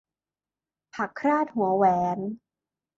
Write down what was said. ผักคราดหัวแหวน